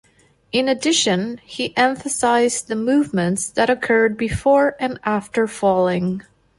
In addition, he emphasized the movements that occurred before and after falling.